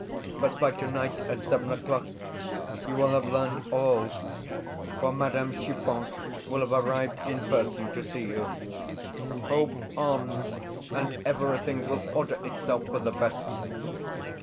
But by tonight, at seven o'clock, you will have learned all, for Madame Chiffon will have arrived in person to see you. Hope on, and everything will order itself for the best.